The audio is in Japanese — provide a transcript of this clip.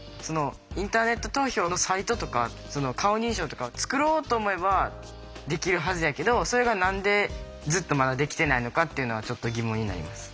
インターネット投票のサイトとか顔認証とかを作ろうと思えばできるはずやけどそれが何でずっとまだできてないのかっていうのはちょっと疑問になります。